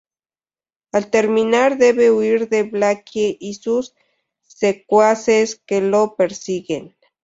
Al terminar debe huir de Blackie y sus secuaces que lo persiguen.